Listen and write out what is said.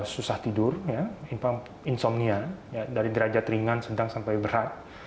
susah tidur insomnia dari derajat ringan sedang sampai berat